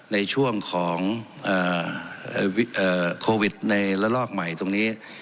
ในช่วงของโควิดในระลอกใหม่ตรงนี้